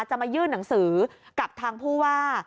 จะมายื่นหนังสือกับทางผู้ว่า